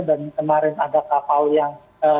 dan kemarin ada kapal yang